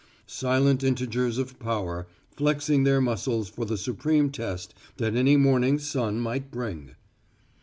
Silent integers of power, flexing their muscles for the supreme test that any morning's sun might bring.